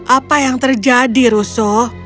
apa yang terjadi russo